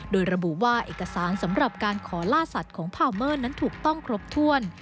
โดยระบุว่าเอกสารสำหรับการขอล่าสัตว์ของพาวเมอร์นั้นถูกต้องครบถ้วน